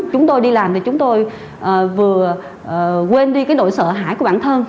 chúng tôi đi làm thì chúng tôi vừa quên đi cái nỗi sợ hãi của bản thân